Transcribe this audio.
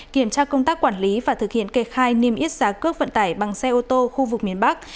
kiểm tra công tác quản lý và thực hiện kê khai niêm yết giá cước vận tải bằng xe ô tô khu vực miền bắc